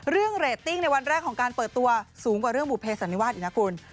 เรตติ้งในวันแรกของการเปิดตัวสูงกว่าเรื่องบุภเสันนิวาสอีกนะคุณ